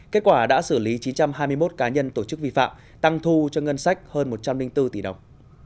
kết quả đã xử lý chín trăm hai mươi một cá nhân tổ chức vi phạm tăng thu cho ngân sách hơn một trăm linh bốn tỷ đồng